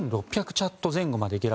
チャット前後まで下落。